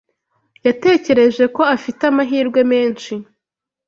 yatekereje ko afite amahirwe menshi.